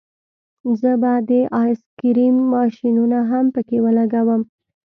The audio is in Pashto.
زه به د آیس کریم ماشینونه هم پکې ولګوم